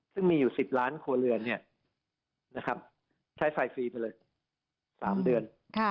ซึ่งมีอยู่๑๐ล้านครัวเรือนใช้ไฟฟรีไปเลย๓เดือน